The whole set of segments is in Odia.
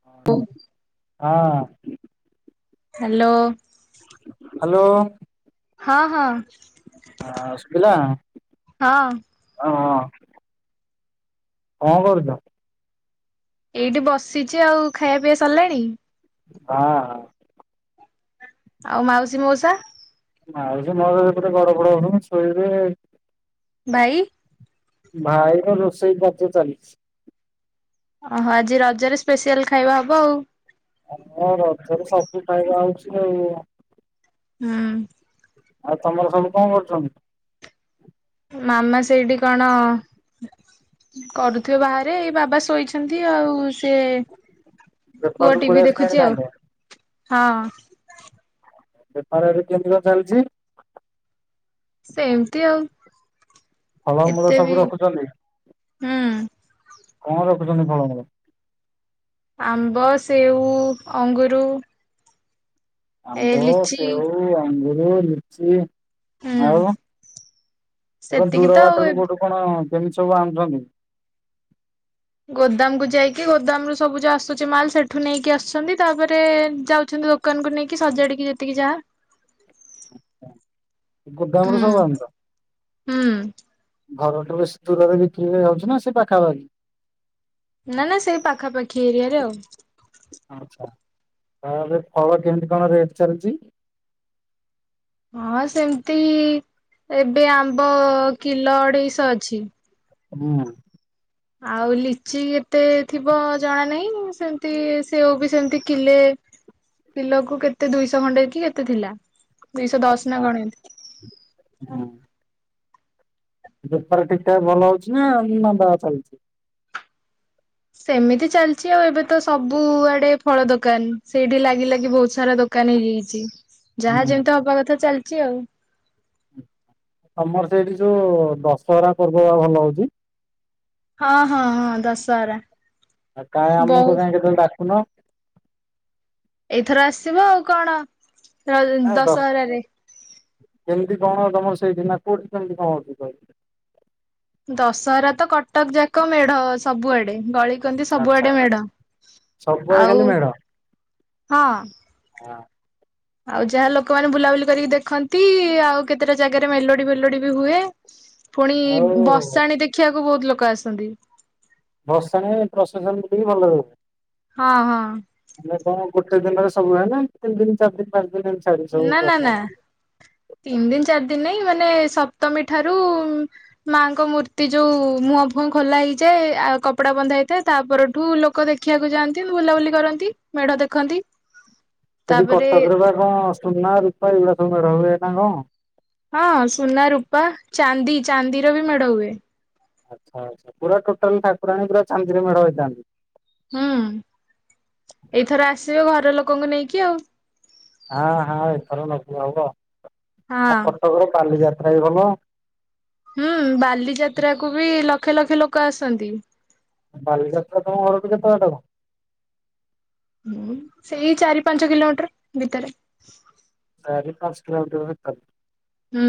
ହଁ, ହଁ। ହାଲୋ। ହାଲୋ। ହଁ ହଁ। ହଁ ଶୁଭିଲା? ହଁ। ହଁ ହଁ। କଁ କରୁଚ? ଏଇଠି ବସିଛି ଆଉ। ଖାଇବା ପିଇବା ସରିଲାଣି? [inaudible] ଆଉ ମାଉସୀ, ମଉସା? ମାଉସୀ ମଉସା ସେ ପଟେ ଗଡପଡ ହଉଚନ୍ତି ଶୋଇବେ। ବାଇ? ଭାଇର ରୋଷେଇ କାର୍ଯ୍ଯ ଚାଲିଛି। ଓହୋ ଆଜି ରଜରେ ସ୍ପେସିଆଲ୍ ଖାଇବା ହବ ଆଉ। ଆରେ ହ ରଜରେ ସବୁ ଖାଇବା ହଉଚି ଆଉ। ହୁଁ। ଆଉ ତମର ସବୁ କଁ କରୁଚନ୍? ମାମା ସେଇଟି କଣ କରୁଥିବେ ବାହାରେ ଏଇ ବାବା ଶୋଇଛନ୍ତି ଆଉ ସେ ପୁଅ ବେପାରରୁ ପଳେଇ ଟିଭି ଆସିଲାଣି ଦେଖୁଚି ଆଉ ତାହେଲେ ହଁ। ବେପାର ଏବେ କେମିତି କଁ ଚାଲିଚି? ସେମ୍ ତି ଆଉ ଫଳମୂଳ ଏତେ ସବୁ ବି ରଖୁଛନ୍ତି ହୁଁ କଁ ରଖୁଚନ୍ତି ଫଳ ମୂଳ? ଆମ୍ବ ସେଉ ଅଙ୍ଗୁରୁ ଏ ଆମ୍ବ ଲିଚି ସେଉ ଅଙ୍ଗୁରୁ ଲିଚି ହୁଁ ଆଉ ସେତିକି ଦୂର ତ ବାଟରୁ ଆଉ କୋଉଠୁ କଣ କେମିତି ସବୁ ଆଣୁଛନ୍ତି? ଗୋଦାମ୍ କୁ ଯାଇକି ଗୋଦାମ୍ ରୁୁ ସବୁ ଯୋଉ ଆସୁଚି ମାଲ୍ ସେଠୁ ନେଇକି ଆସୁଛନ୍ତି ତାପରେ ଯାଉଛନ୍ତି ଦୋ କାନକୁ ନେଇକି ସଜାଡ଼ିକି ଯେତିକି ଯା ଗୋଦାମ୍ ରୁ ହୁଁ। ସବୁ ଆଣୁତ? ହୁଁ। ଘର ଠୁ ବେଶୀ୍ ଦୂରରେ ବିକ୍ରି କରିଆକୁ ଯାଉଚ ନା ସେ ପାଖାପାଖି? ନା ନା ସେଇ ପାଖାପାଖି ଏରିଆରେ ଆଉ। ଆଛା ତାହେଲେ ଫଳ କେମିତି କଣ ରେଟ୍ ଚାଲିଚି? ହଁ ସେମ୍ ତି ଏବେ ଆମ୍ବ କିଲ ଅଢେଇଶ ଅଛି। ହୁଁ। ଆଉ ଲିଚି ଏତେ ଥିବ ଜଣା ନାହିଁ ସେମ୍ ତି ସେଉ ବି ସେମ୍ ତି କିଲେ ପିଲକୁ କେତେ ଦୁଇଶହ ଖଣ୍ଡେ କି ଏତେ ଥିଲା ଦୁଇଶହ ଦଶ ନା ଆଚ୍ଛା। ଗଣ ଏମ୍ ତି। ହୁଁ। ବେପାର ଠିକ୍ ଠାକ୍ ଭଲ ହଉଚି ନା ମାନ୍ଦା ଚାଲ୍ ଚି? ସେମିତି ଚାଲ୍ ଚି ଆଉ ଏବେ ତ ସବୁଆଡେ ଫଳ ଦୋକାନ୍ ସେଇଠି ଲାଗି ଲାଗି ବହୁତ୍ ସାରା ଦୋ କାନ୍ ହେଇଯାଇଚି ଯାହା ହୁଁ। ଯେମିତି ହବା କଥା ଚାଲ୍ ଚି ଆଉ। ତମର ସେଇଠି ଯୋଉ ଦଶହରା ପର୍ବ ବା ଭଲ ହଉଚି? ହଁ ହଁ ହଁ ଦଶହରା। କାଇଁ ଆମକୁ ତ ବହୁତ କାଇଁ କେତବେଳେ ଡାକୁୁନ। ଏଇଥର ଆସିବ ଆଉ କଣ ଦ ଆ ଦଶ ଦଶହରା ରେ। କେମିତି କଣ ତମର ସେ ଦିନା କୋଉଠି କେମିତି କଣ ହଉଚି କହି ଦଶହରା ତ କଟକ ଯାକ ମେଢ ସବୁଆଡେ ଗଳି କନ୍ଦି ଆଚ୍ଛା। ସବୁଆଡେ ମେଢ ସବୁବେଳେ ଖାଲି ଆଉ ହଁ ହଁ। ଆଉ ଯାହା ଲୋକମାନେ ବୁଲାବୁଲି କରିକି ଦେଖନ୍ତି ଆଉ କେତେଟା ଯାଗାରେ ମେଲୋଡି ଫେଲୋଡି ବି ହୁଏ। ଫୁଣି ଆଉ ବସାଣି ଦେଖିଆକୁ ବହୁତ ଲୋକ ଆସନ୍ତି। ଭସାଣି ପ୍ରଶେସନ୍ ବି ଭଲ। ହଁ ହଁ। ହେଲେ କଣ ଗୋଟେ ଦିନରେ ସବୁ ହେଲା ତିନ୍ ଦିନି ଚାର୍ ଦିନି ପାଞ୍ଚ୍ ଦିନି ଏମିତି ସବୁ। ଛାଡି ନା ନା ପ୍ରସେସନ ନା ତିନି୍ ଦିନି୍ ଚାର୍ ଦିନି୍ ନାଇଁ ମାନେ ସପ୍ତମୀ ଠାରୁ ମାଆଙ୍କ ମୂର୍ତ୍ତି ଯୋଉ ମୁହଁ ଫୁହଁ ଖୋଲା ହେଇଯାଏ ଆଉ କପଡା ବନ୍ଧା ହେଇଥାଏ ତା ପରଠୁ ଲୋକ ଦେ ଦେଖିବାକୁ ଯାଆନ୍ତି ବୁଲାବୁଲି କରନ୍ତି ମେଢ ଦେଖନ୍ତି। ସେଠି ତାପରେ କଟକରେ ବା କଣ ସୁନା ରୂପା ଏଇଗୁଡା ସବୁ ମେଢ ହୁଏ ନା କଣ? ହଁ ସୁନା ରୂପା ଚାନ୍ଦି ଚାନ୍ଦିର ବି ମେଢ ହୁଏ। ଆଚ୍ଛା ଆଚ୍ଛା ପୁରା ଟୋଟାଲ ଠାକୁରାଣୀ ପୁରା ଚାନ୍ଦୀରେ ମେଢ ହେଇଥାନ୍ତି। ହୁଁ ଏଇଥର ଆସିବ ଘର ଲୋକଙ୍କୁ ନେଇକି ଆଉ। ହାଁ ହାଁ ଏଥର ନଗଲେ ହବ ହଁ ଆ କଟକର କଲି ଯାତ୍ରା ବି ଭଲ। ହୁଁ ବାଲିଯାତ୍ରା କୁ ବି ଲକ୍ଷେ ଲକ୍ଷେ ଲୋକ ଆସନ୍ତି। ବାଲିଯାତ୍ରା ତମ ଘରଟୁ କେତେ ବାଟ? ହୁଁ ସେଇ ଚାରି ପାଞ୍ଚ କିଲୋମିଟର ଭିତରେ। ଚାରି ପାଞ୍ଚ କିଲୋମିଟର ଭିତରେ। ହୁଁ।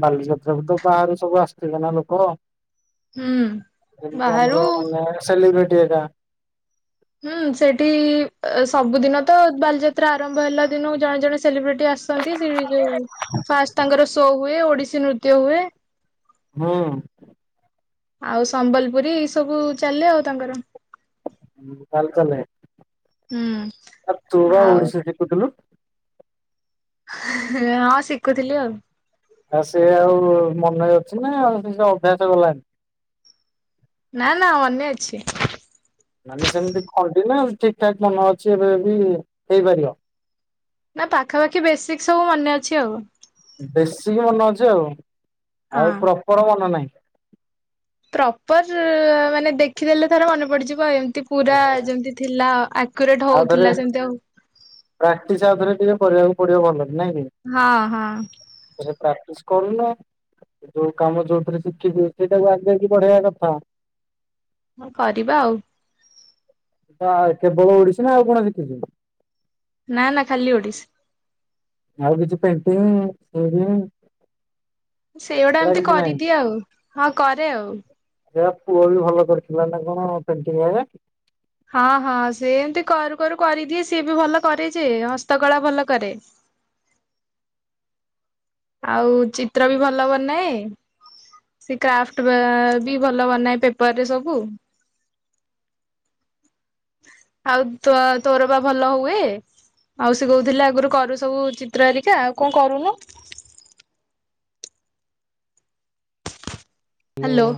ବାଲିଯାତ୍ରା ବିତ ବାହାରୁ ସବୁ ଆସିଥିବେନା ଲୋକ। ହୁଁ ଯେମିତି ଆମର ବାହାରୁ ମାନେ ସେଲିବ୍ରିଟି ଏଟା। ହୁଁ ସେଠି ସବୁଦିନ ତ ବାଲିଯାତ୍ରା ଆରମ୍ଭ ହେଲା ଦିନୁ ଜଣେ ଜଣେ ସେଲିବ୍ରିଟି ଆସନ୍ତି ସେ ଯୋଉ ଫାଷ୍ଟ ତାଙ୍କର ଶୋ ହୁଏ ଓଡିଶୀ ନୃତ୍ୟ ହୁଏ। ହୁଁ। ଆଉ ସମ୍ବଲପୁରୀ ସବୁ ଚାଲେ ଆଉ ତାଙ୍କର। ଚାଲ ଚାଲେ ହୁଁ ଆ ତୁ ବା ଆଉ ଓଡିଶୀ ସିକୁୁଥିଲୁ। ହଁ ସିଖୁଥିଲି ଆଉ। ଆଉ ସିଏ ଆଉ ମନେ ଅଛି ନା ଆଉ କିସ ଅଭ୍ୟାସ ଗଲାଣି। ନାଁ ନାଁ ଅନେ ଅଛି। ମାନେ ସେମିତି ଖଣ୍ଡି ନା ଠିକ୍ ଠାକ୍ ମନ ଅଛି ଏବେ ବି ହେଇପାରିବ। ନା ପାଖାପାଖି ବେଶିକ ସବୁ ମନେ ଅଛି ଆଉ। ବେଶୀକି ମନେ ଅଛି ଆଉ ଆଉ ହଁ ପ୍ରପର ମନେ ନାହିଁ? ପ୍ରପର ମାନେ ଦେଖିଦେଲେ ଥର ମନେ ପଡିଯିବ ଏମିତି। ପୁରା ଯେମତି ଥିଲା ଆକୁରେଟ ଆଉଥରେ ହଉଥିଲା ସେମିତି ଆଉ। ପ୍ରାକ୍ଟିସ ଆଉଥରେ ଟିକେ କରିବାକୁ ପଡିବ ଭଲି ନାଁ କି? ହଁ ହଁ। ସେ ପ୍ରାକ୍ଟିସ କରୁନୁ। ଯୋଉ କାମ ଯୋଉଥିରେ ଶିଖିଯିବେ ସେଇଟାକୁ ଆଗ ଆଗ ପଢେଇବାକୁ କଥା। କରିବା ଆଉ। ଆ ବୋହୁ ଓଡିଶୀ ନା ଆଉ କଣ ଶିଖିଚୁ? ନାଁ ନାଁ ଖାଲି ଓଡିଶୀ। ଆଉ କିଛି ପେଣ୍ଟିିଙ୍ଗି [inaudible] ସେଇଗୁଡା ଏମିତି ନାହିଁ। କରିଦିଏ ଆଉ ହଁ କରେ ଆଉ। ସେୟା ପୁଅ ବି ଭଲ କରିଥିଲା ନା କଣ ପେଣ୍ଟିଂ ଇଏରେ। ହଁ ହଁ ସେ ଏମିତି କରୁ କରୁ କରିଦିଏ ସିଏ ବି ଭଲ କରେ ଯେ ହସ୍ତକଳା ଭଲ କରେ। ଆଉ ଚିତ୍ର ବି ଭଲ ବନାଏ। ସେ କ୍ରାଫ୍ଟ ବା ବି ଭଲ ବନାଏ ପେପରରେ ସବୁ। ଆଉ ତ୍ଵା ତୋର ବା ଭଲ ହୁଏ। ଆଉ ସେ କହୁଥିଲା ଆଗରୁ କରୁ ସବୁ ଚିତ୍ର ଆରିକା ଆଉ କଣ କରୁନୁ? Hello hello.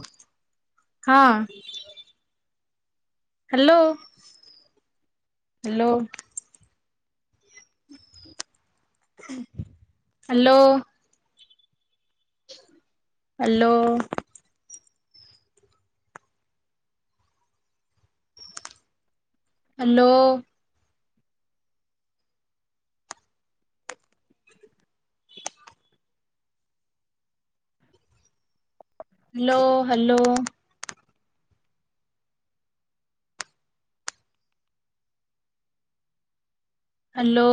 ହଁ। Hello hello. Hello. Hello. Hello. Hello hello. Hello.